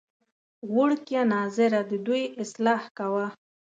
وړکیه ناظره ددوی اصلاح کوه.